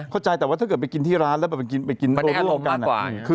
เข้าใจแต่ว่าถ้าเกิดไปกินที่ร้านแล้วไปกินโลกกันมันแน่ลงมากกว่า